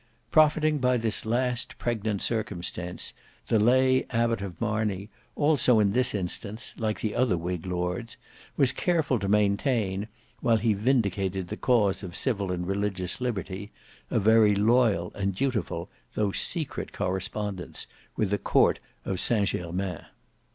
Profiting by this last pregnant circumstance, the lay Abbot of Marney also in this instance like the other whig lords, was careful to maintain, while he vindicated the cause of civil and religious liberty, a very loyal and dutiful though secret correspondence with the court of St Germains.